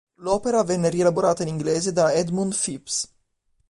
L'opera venne rielaborata in inglese da Edmund Phipps.